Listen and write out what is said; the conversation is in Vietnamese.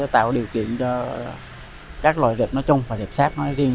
tạo điều kiện cho các loại dẹp nói chung và dẹp sáp nói riêng